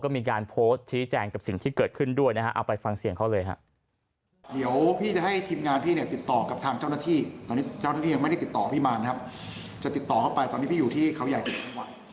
พี่มารนะครับจะติดต่อเข้าไปตอนนี้พี่อยู่ที่เขาใหญ่ที่จังหวัด